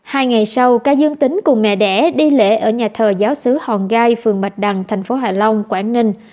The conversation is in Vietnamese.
hai ngày sau ca dương tính cùng mẹ đẻ đi lễ ở nhà thờ giáo sứ hòn gai phường bạch đằng thành phố hạ long quảng ninh